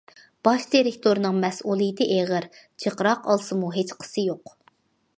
باش دىرېكتورنىڭ مەسئۇلىيىتى ئېغىر، جىقراق ئالسىمۇ ھېچقىسى يوق.